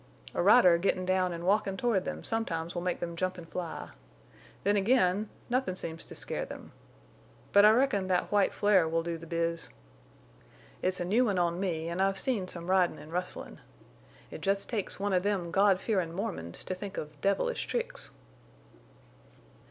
A rider gettin' down an' walkin' toward them sometimes will make them jump an' fly. Then again nothin' seems to scare them. But I reckon that white flare will do the biz. It's a new one on me, an' I've seen some ridin' an' rustlin'. It jest takes one of them God fearin' Mormons to think of devilish tricks."